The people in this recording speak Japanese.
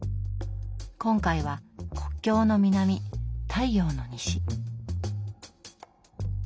今回は「国境の南、太陽の西」。